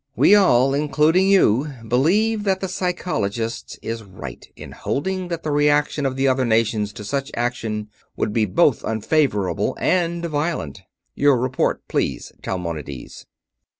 We all, including you, believe that the Psychologist is right in holding that the reaction of the other nations to such action would be both unfavorable and violent. Your report, please, Talmonides."